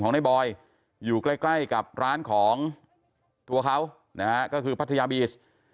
ของนายบอยอยู่ใกล้กับร้านของตัวเขาคือพัทยาบีท